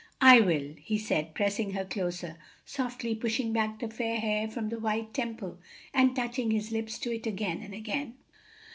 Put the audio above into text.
"I will," he said, pressing her closer, softly pushing back the fair hair from the white temple and touching his lips to it again and again.